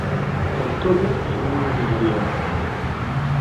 Con todo, son unha minoría.